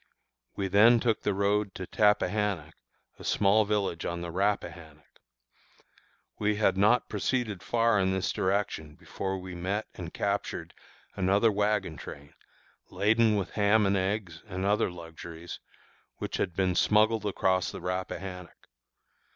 We then took the road to Tappahannock, a small village on the Rappahannock. We had not proceeded far in this direction before we met and captured another wagon train, laden with ham and eggs and other luxuries, which had been smuggled across the Rappahannock.